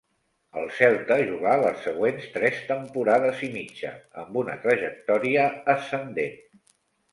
Al Celta jugà les següents tres temporades i mitja amb una trajectòria ascendent.